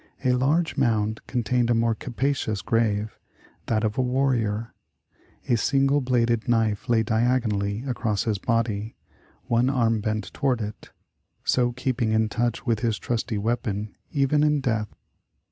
A. larger mound contained a more capacious grave — that of a warrior. A single bladed knife lay diagonally across his body, one arm bent toward it, — so keeping in touch with his trusty weapon, even in death.